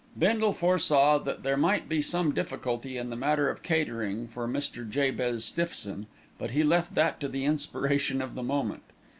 Bindle foresaw that there might be some difficulty in the matter of catering for Mr. Jabez Stiffson; but he left that to the inspiration of the moment.